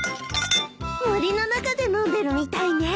森の中で飲んでるみたいね。